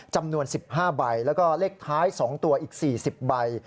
จำนวน๑๕ใบแล้วก็เลขท้าย๒ตัวอีก๔๐ใบ